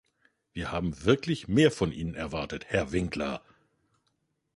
Wir haben wirklich mehr von Ihnen erwartet, Herr Winkler.